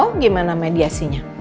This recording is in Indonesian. noh gimana mediasinya